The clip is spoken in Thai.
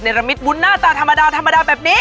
ในละมิดวุ้นหน้าตาธรรมดาแบบนี้